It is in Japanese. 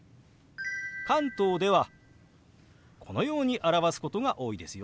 関東ではこのように表すことが多いですよ。